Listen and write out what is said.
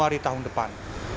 januari tahun depan